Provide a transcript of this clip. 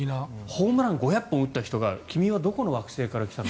ホームラン５００本打った人が君はどこの惑星から来たの？